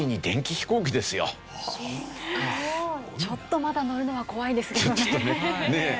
ちょっとまだ乗るのは怖いですけどね。